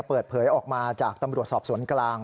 เปิดเผยออกมาจากตำรวจสอบสวนกลาง